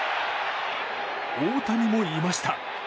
大谷もいました。